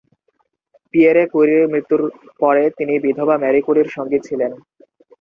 Pierre ক্যুরির মৃত্যুর পরে তিনি বিধবা মারি ক্যুরির সঙ্গী ছিলেন।